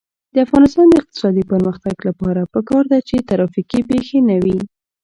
د افغانستان د اقتصادي پرمختګ لپاره پکار ده چې ترافیکي پیښې نه وي.